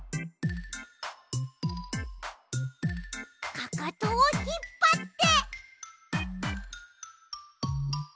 かかとをひっぱって。